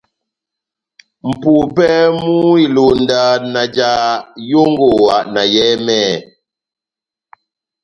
Mʼpumpɛ mú ilonda na jaha yongowa na yɛhɛmɛhɛ,